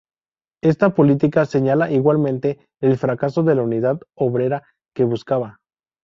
Esta política señala igualmente el fracaso de la unidad obrera que buscaba.